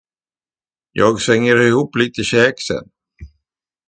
Jag svänger ihop lite käk sen.